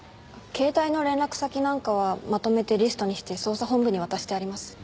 携帯の連絡先なんかはまとめてリストにして捜査本部に渡してあります。